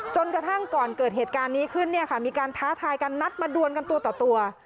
จนกระทั่งก่อนเกิดเหตุการณ์นี้ขึ้นเนี่ยค่ะมีการท้าทายกันนัดมาดวนกันตัวต่อตัว